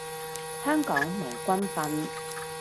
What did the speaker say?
香港冇軍訓